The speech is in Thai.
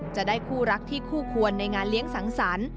จะได้คู่รักที่คู่ควรในงานเลี้ยงสังสรรค์